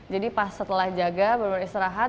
jadi pas setelah jaga baru istirahat